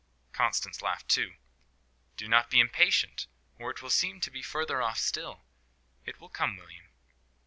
Constance laughed too. "Do not be impatient, or it will seem to be further off still. It will come, William."